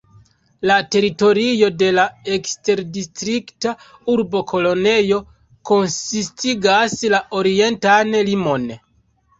La teritorio de la eksterdistrikta urbo Kolonjo konsistigas la orientan limon.